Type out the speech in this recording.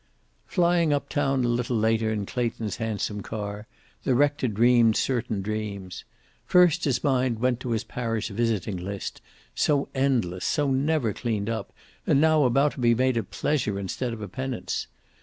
Flying uptown a little later in Clayton's handsome car, the rector dreamed certain dreams. First his mind went to his parish visiting list, so endless, so never cleaned up, and now about to be made a pleasure instead of a penance.